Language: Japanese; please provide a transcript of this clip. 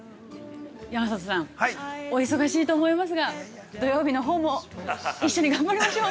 山里さん、お忙しいと思いますが土曜日のほうも一緒に頑張りましょう。